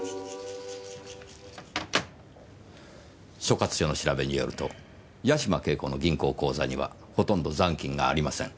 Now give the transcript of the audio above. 所轄署の調べによると八島景子の銀行口座にはほとんど残金がありません。